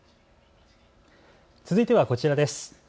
続いてはこちらです。